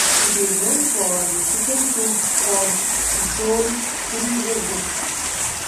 It is known for the "Chicken Soup for the Soul" series of books.